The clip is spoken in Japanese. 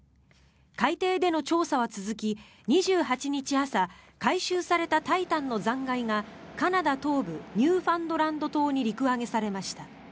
海底での調査は続き、２８日朝回収された「タイタン」の残骸がカナダ東部ニューファンドランド島に陸揚げされました。